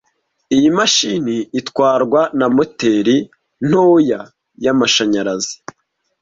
Iyi mashini itwarwa na moteri ntoya yamashanyarazi.